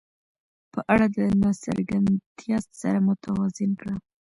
په اړه د ناڅرګندتیا سره متوازن کړه.